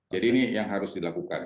jadi ini yang harus dilakukan